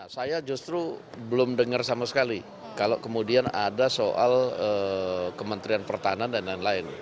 saya justru belum dengar sama sekali kalau kemudian ada soal kementerian pertahanan dan lain lain